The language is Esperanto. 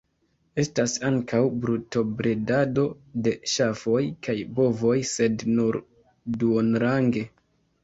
Estas ankaŭ brutobredado de ŝafoj kaj bovoj sed nur duonrange.